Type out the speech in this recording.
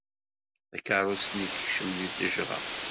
Takeṛṛust-nni tekcem deg ttejra.